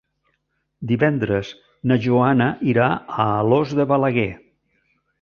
Divendres na Joana irà a Alòs de Balaguer.